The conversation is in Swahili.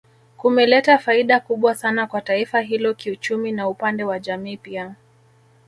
Kumeleta faida kubwa sana kwa taifa hilo kiuchumi na upande wa jamii pia